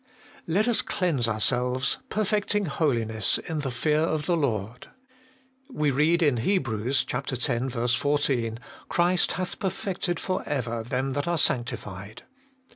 'Let us cleanse ourselves, perfecting holiness in the fear of the Lord! We read in Hebrews (x. 14), ' Christ hath perfected for ever them that are sancti tified.'